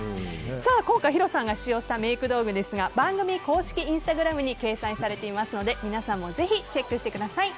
今回ヒロさんが使用したメイク道具ですが番組公式インスタグラムに掲載されていますので皆さんもぜひチェックしてください。